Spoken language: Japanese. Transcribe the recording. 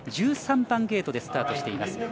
１３番ゲートでスタートしています。